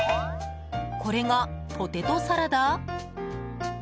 これがポテトサラダ？